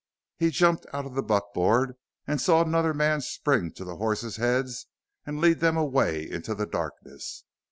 He jumped out of the buckboard and saw another man spring to the horses' heads and lead them away into the darkness.